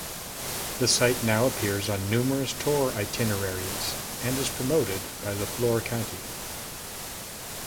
The site now appears on numerous tour itineraries and is promoted by Leflore County.